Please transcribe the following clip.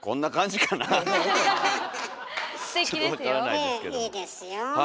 ええいいですよ。